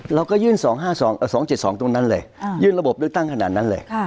เราก็ยื่น๒๕ศูนย์๒๗๒ตรงนั้นเลยยื่นระบบได้ตั้งขนาดนั้นเลย